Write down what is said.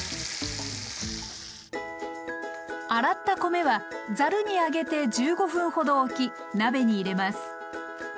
洗った米はざるに上げて１５分ほどおき鍋に入れます。